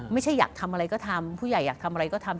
ไม่ใช่อยากทำอะไรก็ทำผู้ใหญ่อยากทำอะไรก็ทำ